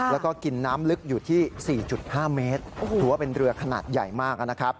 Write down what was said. แล้วก็กินน้ำลึกอยู่ที่๔๕เมตรถือว่าเป็นเรือขนาดใหญ่มากนะครับ